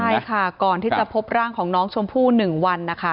ใช่ค่ะก่อนที่จะพบร่างของน้องชมพู่๑วันนะคะ